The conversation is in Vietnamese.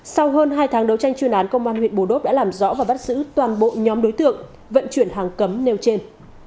sau hơn hai tháng đấu tranh chuyên án công an huyện bù đốt đã làm rõ và bắt giữ toàn bộ nhóm đối tượng vận chuyển hàng cấm nêu trên